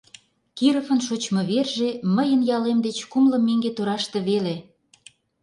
— Кировын шочмо верже мыйын ялем деч кумло меҥге тораште веле.